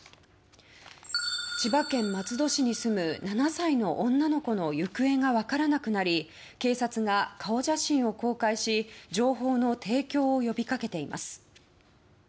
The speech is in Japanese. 千葉県松戸市に住む７歳の女の子の行方が分からなくなり警察が顔写真を公開し情報の提供を呼び掛けています。